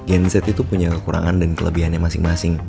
genzet itu punya kekurangan dan kelebihannya masing masing